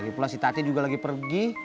lagi pula si tati juga lagi pergi